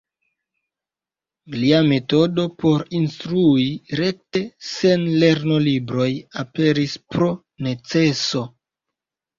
Lia metodo por instrui rekte, sen lernolibroj, aperis pro neceso.